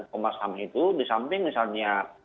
kom itu disamping misalnya